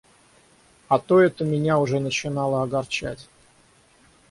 А то это меня уже начинало огорчать.